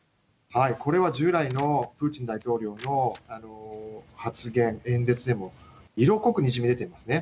これは従来のプーチン大統領の発言、演説でも色濃くにじみ出てますね。